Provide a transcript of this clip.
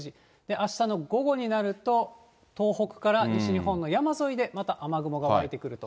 あしたの午後になると、東北から西日本の山沿いでまた雨雲が湧いてくると。